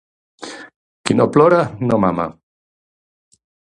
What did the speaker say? Qui no plora no mama.